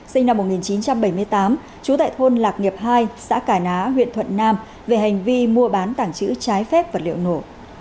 sinh năm một nghìn chín trăm bảy mươi tám trú tại thôn lạc nghiệp hai xã cà ná huyện thuận nam về hành vi mua bán tảng chữ trái phép vật liệu nổ